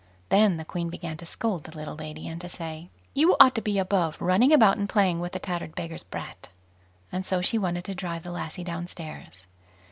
Then the Queen began to scold the little lady, and to say: "You ought to be above running about and playing with a tattered beggar's brat." And so she wanted to drive the lassie downstairs.